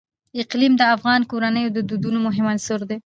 اقلیم د افغان کورنیو د دودونو مهم عنصر دی.